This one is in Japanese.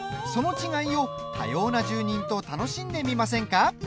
その違いを多様な住人と楽しんでみませんか。